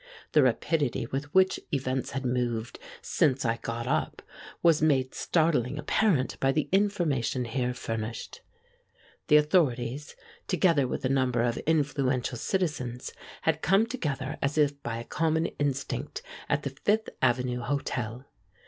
The rapidity with which events had moved since I got up was made startlingly apparent by the information here furnished. The authorities, together with a number of influential citizens, had come together as if by a common instinct at the Fifth Avenue Hotel.